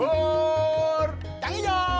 pur canggih jo